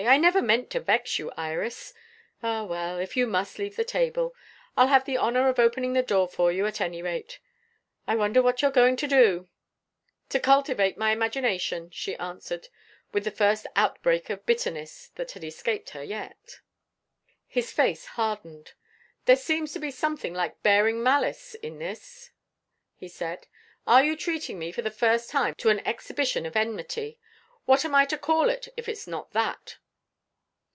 I never meant to vex you, Iris. Ah, well, if you must leave the table, I'll have the honour of opening the door for you, at any rate. I wonder what you're going to do?" "To cultivate my imagination," she answered, with the first outbreak of bitterness that had escaped her yet. His face hardened. "There seems to be something like bearing malice in this," he said. "Are you treating me, for the first time, to an exhibition of enmity? What am I to call it, if it's not that?"